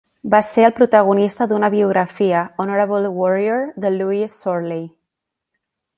Va ser el protagonista d'una biografia, "Honorable Warrior", de Lewis Sorley.